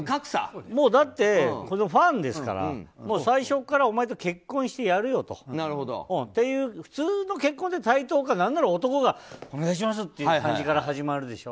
ファンですから最初からお前と結婚してやるよっていう普通の結婚って対等か何なら男がお願いしますって感じから始まるでしょ。